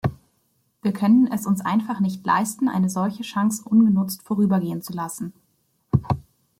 Wir können es uns einfach nicht leisten, eine solche Chance ungenutzt vorübergehen zu lassen.